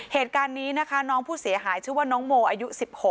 เหตุการณ์นี้นะคะน้องผู้เสียหายชื่อว่าน้องโมอายุ๑๖